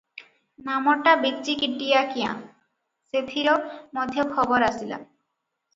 ନାମଟା ବିଚିକିଟିଆ କ୍ୟାଁ, ସେଥିର ମଧ୍ୟ ଖବର ଆସିଲା ।